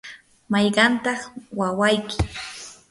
¿mayqantaq wawayki?